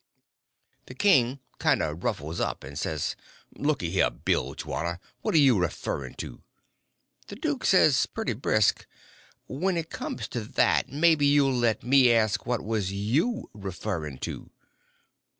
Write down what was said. The king kind of ruffles up, and says: "Looky here, Bilgewater, what'r you referrin' to?" The duke says, pretty brisk: "When it comes to that, maybe you'll let me ask, what was you referring to?"